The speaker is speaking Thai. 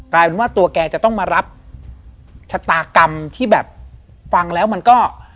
กลายเป็นว่าตัวแกจะต้องมารับชะตากรรมที่แบบฟังแล้วมันก็